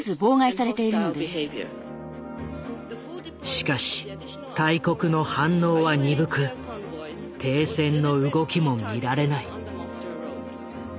しかし大国の反応は鈍く停戦の動きも見られない。